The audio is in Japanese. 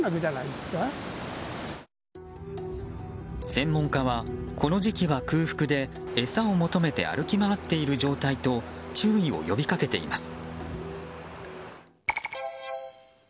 専門家はこの時期は空腹で餌を求めて歩き回っている状態と注意を呼びかけています。